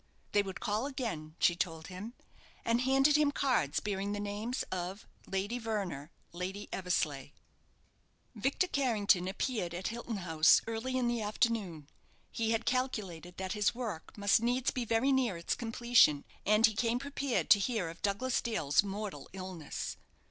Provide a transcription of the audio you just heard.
"They would call again," she told him, and handed him cards bearing the names of "Lady Verner," "Lady Eversleigh." Victor Carrington appeared at Hilton House early in the afternoon. He had calculated that his work must needs be very near its completion, and he came prepared to hear of Douglas Dale's mortal illness.